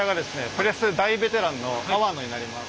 プレス大ベテランの粟野になります。